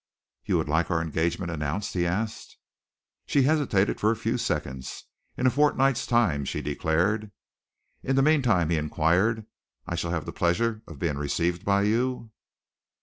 "You would like our engagement announced?" he asked. She hesitated for a few seconds. "In a fortnight's time," she declared. "In the meantime," he inquired, "I shall have the pleasure of being received by you?"